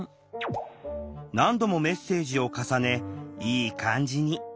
何度もメッセージを重ねいい感じに。